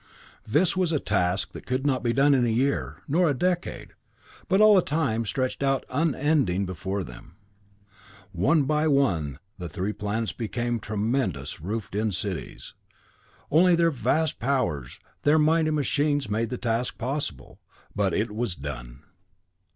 "This was a task that could not be done in a year, nor a decade, but all time stretched out unending before them. One by one the three planets became tremendous, roofed in cities. Only their vast powers, their mighty machines made the task possible, but it was done."